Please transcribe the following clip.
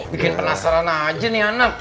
bikin penasaran aja nih anak